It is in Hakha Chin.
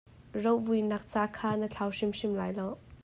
Rovuihnak ca kha na thlau hrimhrim lai lo.